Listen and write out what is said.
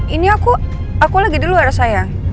ini aku aku lagi di luar sayang